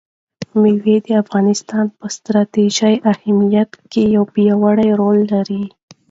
مېوې د افغانستان په ستراتیژیک اهمیت کې یو پیاوړی رول لري.